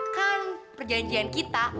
kan perjanjian kita